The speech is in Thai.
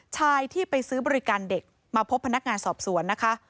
ชายที่ไปซื้อบริการเด็กมาพบพนักงานสอบสวนนะคะ